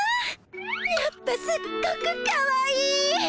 やっぱすっごくかわいい！